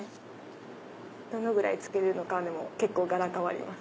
どのぐらいつけるのかでも結構柄変わります。